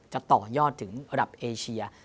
จะต่อยอดถึงระดับเอเชีย